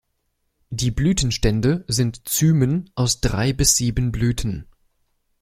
Die Blütenstände sind Zymen aus drei bis sieben Blüten.